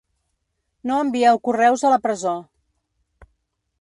No envieu correus a la presó.